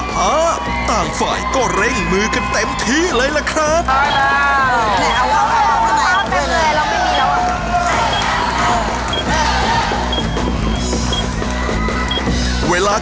เราเอาของพี่เพชรก่อนเลยนะฮะ